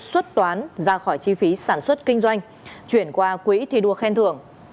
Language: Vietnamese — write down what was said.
xuất toán ra khỏi chi phí sản xuất kinh doanh chuyển qua quỹ thi đua khen thưởng